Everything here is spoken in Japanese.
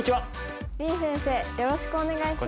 林先生よろしくお願いします。